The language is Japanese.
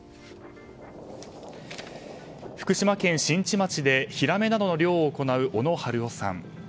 福島県新地町でヒラメなどの漁を行う小野春雄さん。